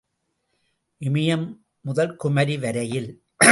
இமயம் முதல் குமரி வரையில்.